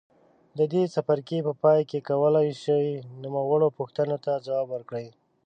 د دې څپرکي په پای کې کولای شئ نوموړو پوښتنو ته ځواب ورکړئ.